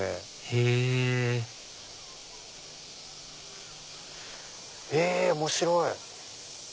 へぇへぇ面白い。